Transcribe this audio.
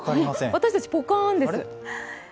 私たちポカーンです。